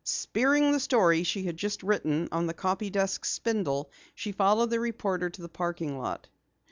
Spearing the story she had just written on the copy desk spindle, she followed the reporter to the parking lot.